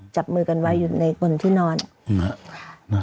จับมือกันไว้อยู่ในบนที่นอน